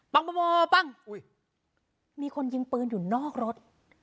ปังปังปังปังปังมีคนยิงปืนอยู่นอกรถ